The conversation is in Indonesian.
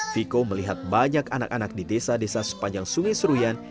tiko melihat banyak anak anak di desa desa sepanjang sungai seruyan